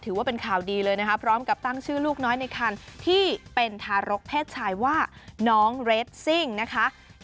ถือว่าเป็นข่าวดีเลยนะคะพร้อมกับตั้งชื่อลูกน้อยในคันที่เป็นทารกเพศชายว่าน้องเรสซิ่งนะคะ